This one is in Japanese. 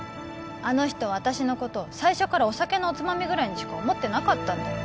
あの人私のこと最初からお酒のおつまみぐらいにしか思ってなかったんだよ